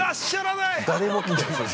◆誰も来てない。